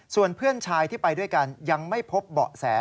ส่วนเพื่อนชายที่ไปด้วยกันยังไม่พบเบาะแส